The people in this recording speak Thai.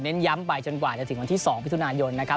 ย้ำไปจนกว่าจะถึงวันที่๒มิถุนายนนะครับ